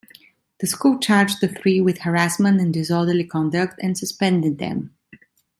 The school charged the three with harassment and disorderly conduct, and suspended them.